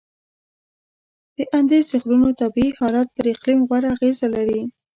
د اندیز د غرونو طبیعي حالت پر اقلیم غوره اغیزه لري.